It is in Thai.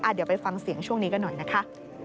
เดี๋ยวไปฟังเสียงช่วงนี้กันหน่อยนะคะ